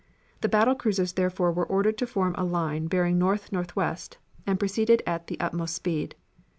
The battle cruisers therefore were ordered to form a line of bearing north northwest, and proceeded at the utmost speed.